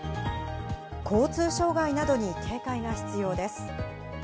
交通障害などに警戒が必要です。